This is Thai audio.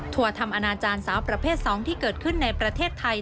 ทำอนาจารย์สาวประเภท๒ที่เกิดขึ้นในประเทศไทย